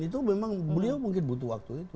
itu memang beliau mungkin butuh waktu itu